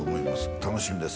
楽しみです